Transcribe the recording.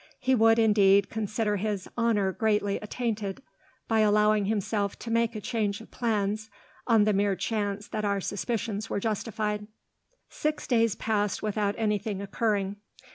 He would, indeed, consider his honour greatly attainted by allowing himself to make a change of plans, on the mere chance that our suspicions were justified." Six days passed without anything occurring.